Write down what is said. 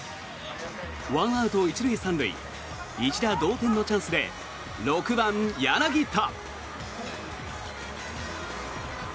１アウト１塁３塁１打同点のチャンスで６番、柳田。